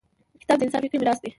• کتاب د انسان فکري میراث دی.